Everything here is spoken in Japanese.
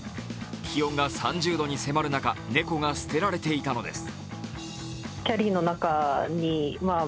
気温が３０度に迫る中、猫が捨てられていたのです。